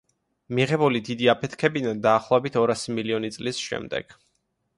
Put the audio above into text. მიღებული დიდი აფეთქებიდან, დაახლოებით ორასი მილიონი წლის შემდეგ.